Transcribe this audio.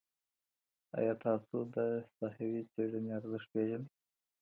ایا تاسو د ساحوي څېړني ارزښت پېژنئ؟